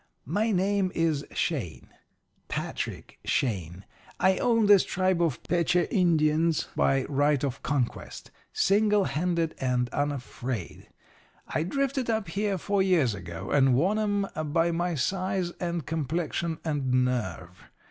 My name is Shane Patrick Shane. I own this tribe of Peche Indians by right of conquest single handed and unafraid. I drifted up here four years ago, and won 'em by my size and complexion and nerve.